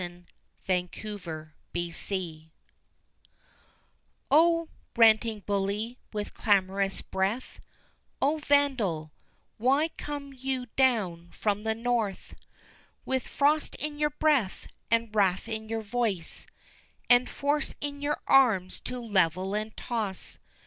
] In Lover's Lane O, ranting bully with clamorous breath, O, vandal, why come you down from the North With frost in your breath, and wrath in your voice, And force in your arms to level and toss?